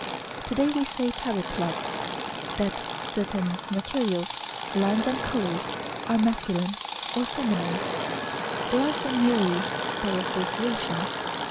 To day, we say parrot like, that certain materials, lines and colours are masculine or feminine. They are so merely by association.